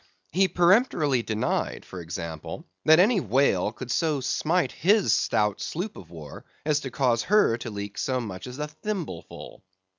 He peremptorily denied for example, that any whale could so smite his stout sloop of war as to cause her to leak so much as a thimbleful.